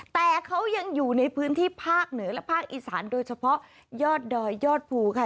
แต่เขายังอยู่ในพื้นที่ภาคเหนือและภาคอีสานโดยเฉพาะยอดดอยยอดภูค่ะ